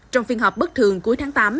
trong phiên họp bất thường cuối tháng tám